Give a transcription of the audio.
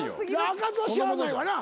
あかつはしゃあないわな。